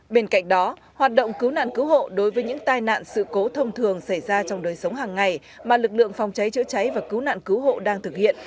bên cạnh đó hoạt động cứu nạn cứu hộ đối với những tai nạn sự cố thông thường xảy ra trong đời sống hàng ngày mà lực lượng phòng cháy chữa cháy và cứu nạn cứu hộ đang thực hiện